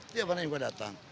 tiap hari mereka datang